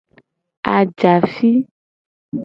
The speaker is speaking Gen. Ajafi.